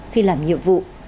khi làm nhiệm vụ